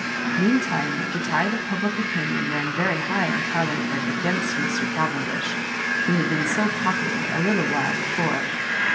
Meantime the tide of public opinion ran very high in Carlingford against Mr. Cavendish, who had been so popular a little while before.